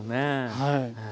はい。